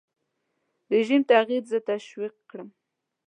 رژیم تغییر زه تشویق کړم.